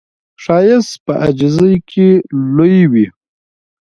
ښایست په عاجزۍ کې لوی وي